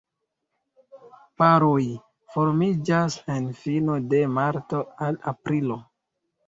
Paroj formiĝas el fino de marto al aprilo.